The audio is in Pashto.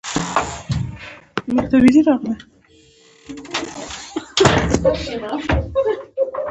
آیا غالۍ په لاس نه اوبدل کیږي؟